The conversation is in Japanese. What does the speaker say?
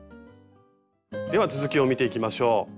では続きを見ていきましょう。